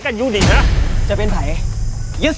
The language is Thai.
อย่าเกรงกับไอเดี๋ยว